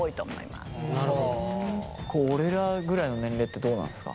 俺らぐらいの年齢ってどうなんですか？